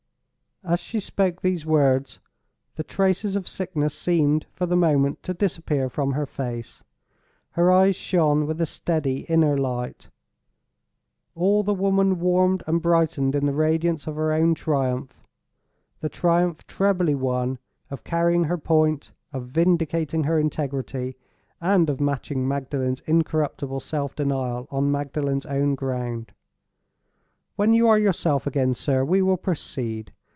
As she spoke those words, the traces of sickness seemed, for the moment, to disappear from her face; her eyes shone with a steady inner light; all the woman warmed and brightened in the radiance of her own triumph—the triumph, trebly won, of carrying her point, of vindicating her integrity, and of matching Magdalen's incorruptible self denial on Magdalen's own ground. "When you are yourself again, sir, we will proceed.